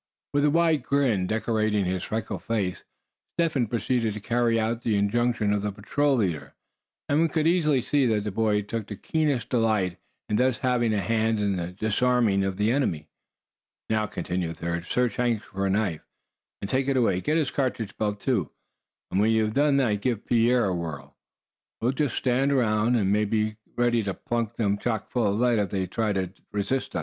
With a wide grin decorating his freckled face, Step Hen proceeded to carry out the injunction of the patrol leader. And one could easily see that the boy took the keenest delight in thus having a hand in disarming the enemy. "Now," continued Thad, "search Hank for a knife, and take it away. Get his cartridge belt too; and when you've done that, give Pierre a whirl. We'll just stand around, and be ready to plunk them chock full of lead if they try to resist."